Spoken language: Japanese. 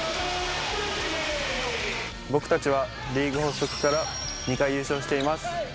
僕たちはリーグ発足から２回優勝しています。